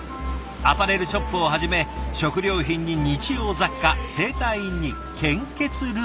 アパレルショップをはじめ食料品に日用雑貨整体院に献血ルームまで。